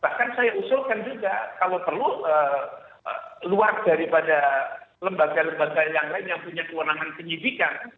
bahkan saya usulkan juga kalau perlu luar daripada lembaga lembaga yang lain yang punya kewenangan penyidikan